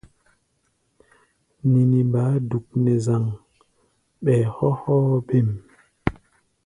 Nini baá duk nɛ zaŋ, ɓɛɛ hɔ́ hɔ́ɔ́-bêm.